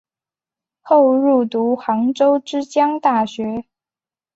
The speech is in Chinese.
后入读杭州之江大学。